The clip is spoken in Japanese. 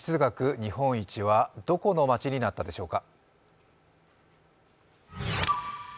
日本一はどこの町になったでしょうか。